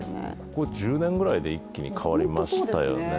ここ１０年ぐらいで、一気に変わりましたよね。